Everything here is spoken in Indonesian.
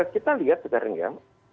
kita lihat sekarang ya